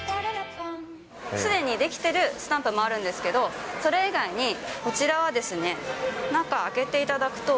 すでに出来てるスタンプもあるんですけど、それ以外に、こちらは、中、開けていただくと。